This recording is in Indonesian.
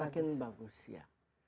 semakin bagus ya